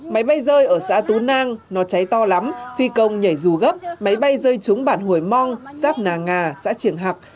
máy bay rơi ở xã tú nang nó cháy to lắm phi công nhảy rù gấp máy bay rơi trúng bản hồi mong giáp nà nga xã triển hạc